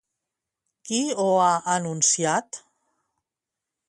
Qui ho ha anunciat?